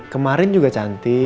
kemarin juga cantik